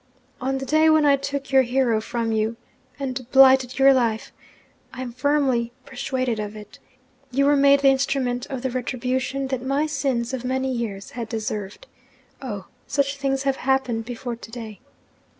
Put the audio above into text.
On the day when I took your hero from you and blighted your life I am firmly persuaded of it! you were made the instrument of the retribution that my sins of many years had deserved. Oh, such things have happened before to day!